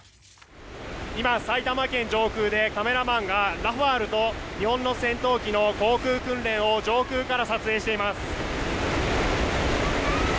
今、埼玉県上空でカメラマンがラファールと日本の戦闘機の航空訓練を上空から撮影しています。